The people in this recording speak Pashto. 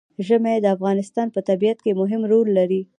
ژمی د افغانستان په طبیعت کې مهم رول لري.